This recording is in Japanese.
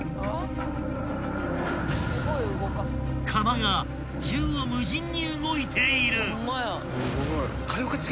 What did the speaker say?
［釜が縦横無尽に動いている！］